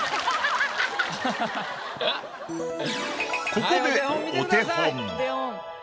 ここでお手本。